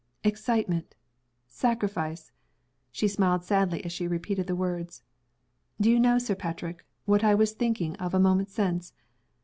"Excitement! Sacrifice!" She smiled sadly as she repeated the words. "Do you know, Sir Patrick, what I was thinking of a moment since?